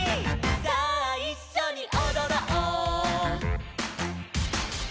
さあいっしょにおどろう」